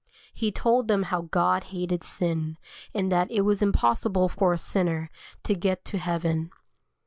He told them how God hated sin, and that it was impossible for a sinner to get to heaven.